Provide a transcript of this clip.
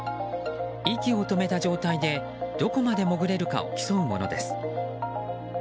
息を止めた状態でどこまで潜れるかを競うものです。